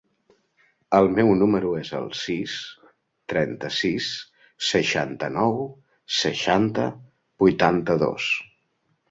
El meu número es el sis, trenta-sis, seixanta-nou, seixanta, vuitanta-dos.